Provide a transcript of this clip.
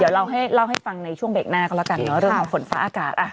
ลองเล่าให้ฟังในช่วงเบรกหน้ากันแล้วก็ลองเรื่องของฝนฟ้าอากาศ